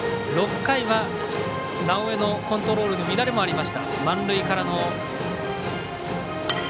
６回は直江のコントロールの乱れもありました。